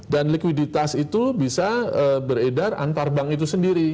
dan likuiditas itu bisa beredar antar bank itu sendiri